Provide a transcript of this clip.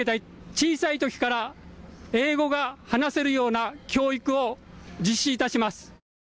小さいときから英語が話せるような教育を実施いたします。